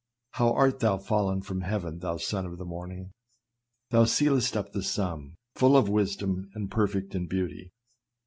"How art thou fallen from heaven, thou son of the morning!" " Thou sealest up the sum, full of wisdom, and perfect in beauty.